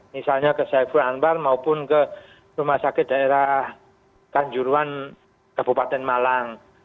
misalnya ke saiful anwar maupun ke rumah sakit daerah kanjuruan kabupaten malang